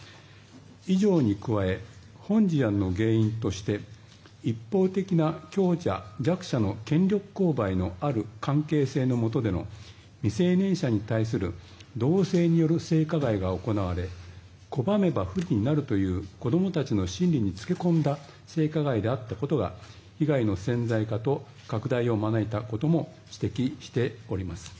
以上に加え、本事案の原因として一方的な強者、弱者の権力勾配がある関係性のうえでの未成年者に対する同性による性加害が行われ拒めば不利になるという子供たちの心理につけ込んだ性加害であったことが被害の潜在化と拡大を招いたことも指摘しております。